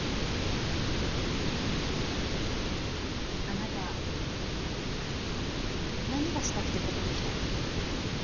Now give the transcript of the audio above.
あなた何がしたくてここに来たの？